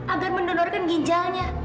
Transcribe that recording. agar mendonorkan ginjalnya